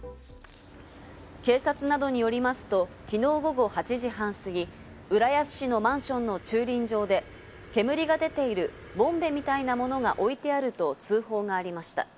警察などによりますと、昨日午後８時半過ぎ、浦安市のマンションの駐輪場で煙が出ている、ボンベみたいなものが置いてあると通報がありました。